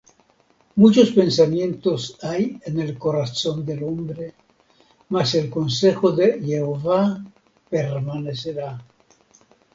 Muchos pensamientos hay en el corazón del hombre; Mas el consejo de Jehová permanecerá.